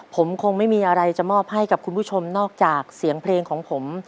ผมคงไม่มีอะไรจะมอบให้กับคุณผู้ชมนอกจากเสียงเพลงของผม